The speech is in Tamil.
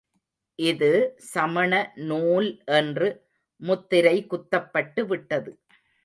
இது சமண நூல் என்று முத்திரை குத்தப்பட்டு விட்டது.